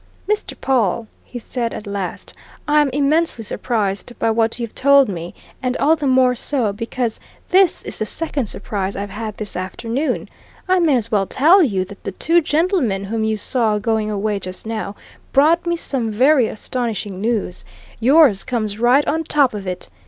"Mr. Pawle," he said at last, "I'm immensely surprised by what you've told me, and all the more so because this is the second surprise I've had this afternoon. I may as well tell you that the two gentlemen whom you saw going away just now brought me some very astonishing news yours comes right on top of it!